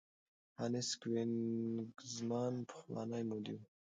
هانس کوېنیګزمان پخوانی مدیر و.